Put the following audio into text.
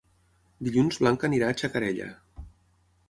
Dilluns na Blanca irà a Xacarella.